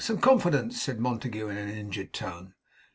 Some confidence!' said Montague in an injured tone.